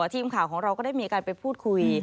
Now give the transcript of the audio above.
ทีมข่าวของเราก็ได้มีการไปพูดคุย